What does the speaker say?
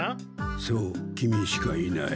そうキミしかいない。